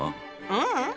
ううん。